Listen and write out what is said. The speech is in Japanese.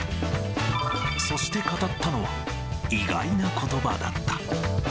そして語ったのは、意外なことばだった。